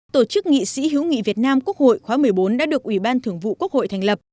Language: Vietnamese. tổ chức nghị sĩ hữu nghị việt nam quốc hội khóa một mươi bốn đã được ủy ban thường vụ quốc hội thành lập